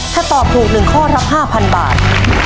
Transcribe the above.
ถ้าตอบถูก๑ข้อรับ๕๐๐บาท